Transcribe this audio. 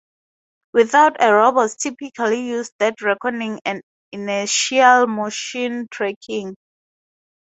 Without a robots typically use dead reckoning and inertial motion tracking.